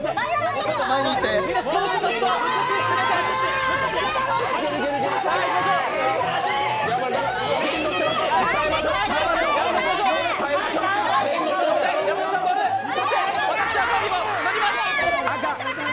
もうちょっと前に行って。